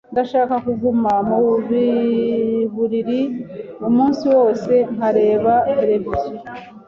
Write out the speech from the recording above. Ndashaka kuguma mu buriri umunsi wose nkareba televiziyo.